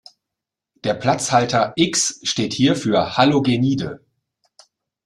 Der Platzhalter "X" steht hier für Halogenide.